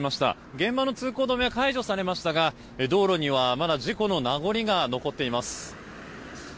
現場の通行止めは解除されましたが道路にはまだ事故の名残が残っています。